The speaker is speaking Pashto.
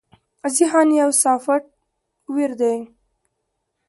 ذهن يو سافټ وئېر دے